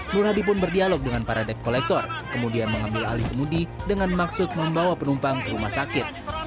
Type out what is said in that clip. nur hadi pun berdialog dengan para debt collector kemudian mengambil alih kemudi dengan maksud membawa penumpang ke rumah sakit